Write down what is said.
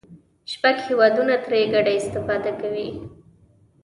شپږ هېوادونه ترې ګډه استفاده کوي.